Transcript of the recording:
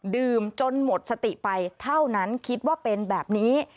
ดื่มจนหมดสติไปเท่านั้นคิดว่าเป็นแบบนี้